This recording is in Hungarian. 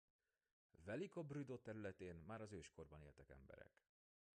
Veliko Brdo területén már az őskorban éltek emberek.